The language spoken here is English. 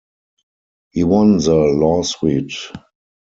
He won the lawsuit.